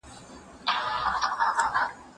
زه به سفر کړی وي!!